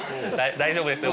大丈夫ですよ。